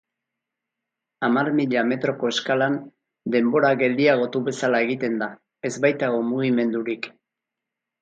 Hamar mila metroko eskalan denbora geldiagotu bezala egiten da, ez baitago mugimendurik.